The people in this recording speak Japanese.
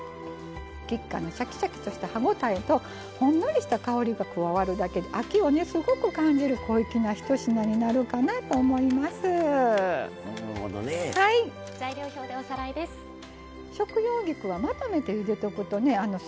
菊花のシャキシャキとした歯応えとほんのりした香りが加わると秋をすごく感じる小粋なひと品になるかなと思います。